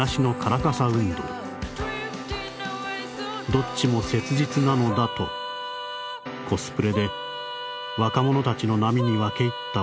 「どっちも切実なのだとコスプレで若者たちの波に分け入った